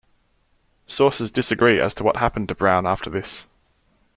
Sources disagree as to what happened to Brown after this.